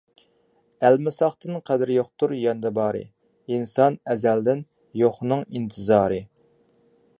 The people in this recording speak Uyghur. ئەلمىساقتىن قەدرى يوقتۇر ياندا بارى، ئىنسان ئەزەلدىن يوقنىڭ ئىنتىزارى.